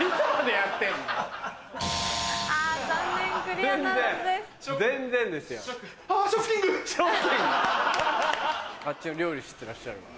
あっち料理してらっしゃるわ。